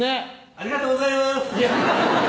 ありがとうございます！